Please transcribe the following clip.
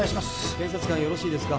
検察官よろしいですか？